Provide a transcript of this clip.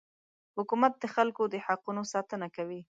حکومت د خلکو د حقونو ساتنه کوي.